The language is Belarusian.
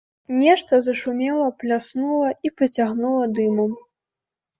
Нешта зашумела, пляснула і пацягнула дымам.